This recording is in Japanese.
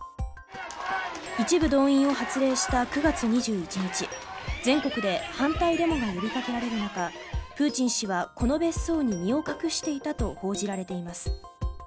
一部動員を発令した９月２１日全国で反対デモが呼びかけられる中プーチン氏はこの別荘に身を隠していたと報じられています。